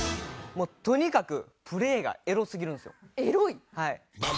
もうとにかくプレーがエロすぎるんですよ。